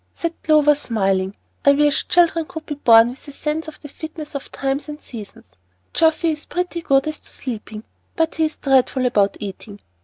said Clover, smiling. "I wish children could be born with a sense of the fitness of times and seasons. Jeffy is pretty good as to sleeping, but he is dreadful about eating.